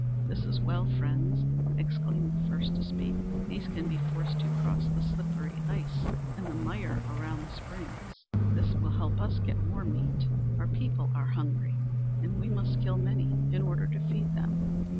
This is well, friends!" exclaimed the first to speak. "These can be forced to cross the slippery ice and the mire around the springs. This will help us to get more meat. Our people are hungry, and we must kill many in order to feed them!"